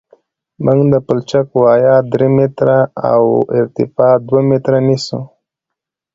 موږ د پلچک وایه درې متره او ارتفاع دوه متره نیسو